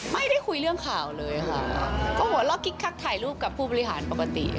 ไม่ได้คุยเรื่องข่าวเลยค่ะก็หัวเราะกิ๊กคักถ่ายรูปกับผู้บริหารปกติ